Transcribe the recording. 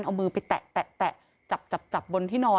เอามือไปแตะจับจับบนที่นอน